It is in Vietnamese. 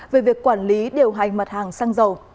về việc quản lý điều hành mặt hàng xăng dầu